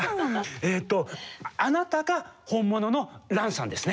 えっとあなたが本物のランさんですね。